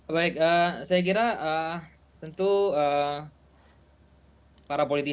baik saya kira tentu para politisi